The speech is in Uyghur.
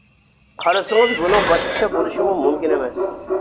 قارىسىڭىز بۇنىڭ باشقىچە بولۇشىمۇ مۇمكىن ئەمەس.